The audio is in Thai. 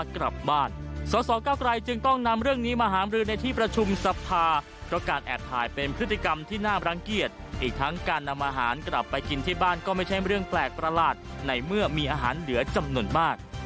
การนำอาหารกลับไปกินที่บ้านก็ไม่ใช่เรื่องแปลกประหลาดในเมื่อมีอาหารเหลือจำนวนมาก